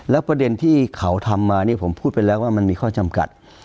แล้วประเด็นที่เขาทำมานี่ผมพูดไปแล้วว่ามันมีข้อจำกัด